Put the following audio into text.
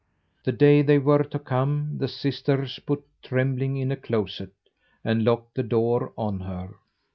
The day they were to come, the sisters put Trembling in a closet, and locked the door on her.